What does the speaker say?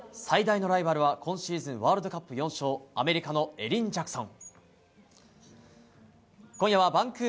最大のライバルは今シーズンワールドカップ４勝アメリカのエリン・ジャクソン。